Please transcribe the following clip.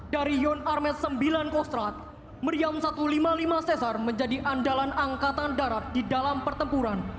dari yon armet sembilan kostrat meriam satu ratus lima puluh lima cesar menjadi andalan angkatan darat di dalam pertempuran